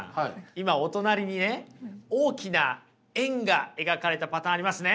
今お隣にね大きな円が描かれたパターンありますね。